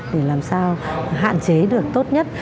để làm sao hạn chế được tốt nhất